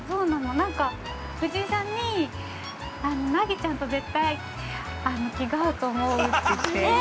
なんか、藤井さんに、ナギちゃんと絶対気が合うと思うって言って◆えっ！？